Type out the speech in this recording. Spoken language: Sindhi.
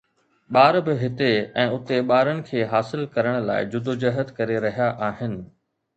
ٻار به هتي ۽ اتي ٻارن کي حاصل ڪرڻ لاء جدوجهد ڪري رهيا آهن